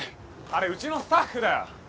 あれうちのスタッフだよ。